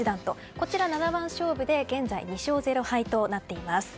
こちら、七番勝負で現在２勝０敗となっています。